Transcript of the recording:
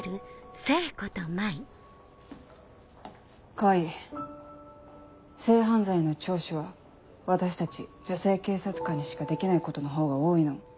川合性犯罪の聴取は私たち女性警察官にしかできないことのほうが多いの。